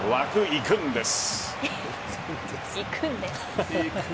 いくんです。